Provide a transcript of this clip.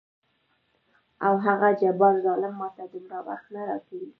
او هغه جبار ظلم ماته دومره وخت نه راکوي.